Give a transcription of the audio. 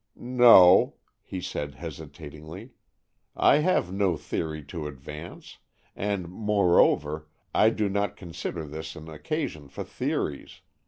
"No," he said hesitatingly; "I have no theory to advance, and, moreover, I do not consider this an occasion for theories.